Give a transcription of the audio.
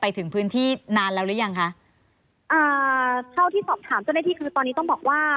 ถึงพื้นที่นานแล้วหรือยังคะอ่าเท่าที่สอบถามเจ้าหน้าที่คือตอนนี้ต้องบอกว่า